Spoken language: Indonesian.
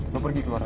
lo pergi keluar